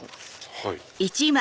はい。